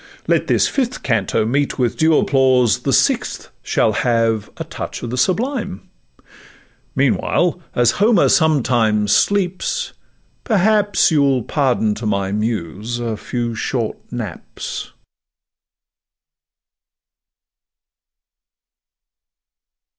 Let this fifth canto meet with due applause, The sixth shall have a touch of the sublime; Meanwhile, as Homer sometimes sleeps, perhaps You'll pardon to my muse a few short naps.